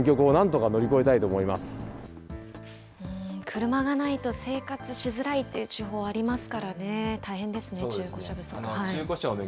車がないと生活しづらいという地方ありますからね、大変ですね、中古車不足。